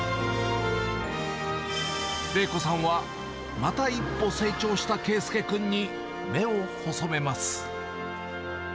玲子さんは、また一歩成長した佳祐君に目を細めます。